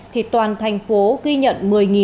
thì toàn thành phố ghi nhận một mươi năm trăm chín mươi ba